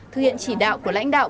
thư hiện chỉ đạo của lãnh đạo